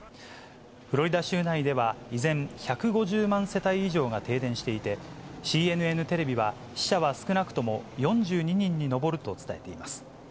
フロリダ州内では依然、１５０万世帯以上が停電していて、ＣＮＮテレビは、死者は少なくとも４２人に上ると伝えています。